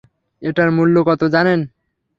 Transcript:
এটার মূল্য কত জানেন?